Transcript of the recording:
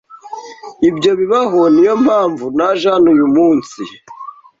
Ibyo bibaho niyo mpamvu naje hano uyu munsi.